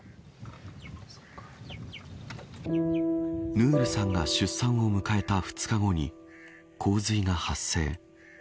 ヌールさんが出産を迎えた２日後に洪水が発生。